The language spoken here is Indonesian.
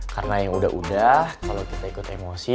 karena yang udah udah kalo kita ikut emosi